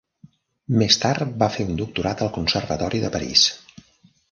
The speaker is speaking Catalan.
Més tard va fer un doctorat al Conservatori de París.